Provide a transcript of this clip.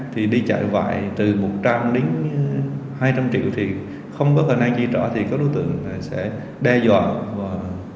thì đi chạy vại từ một trăm linh đến hai trăm linh triệu thì không có khả năng di trỏ thì các đối tượng sẽ đe dọa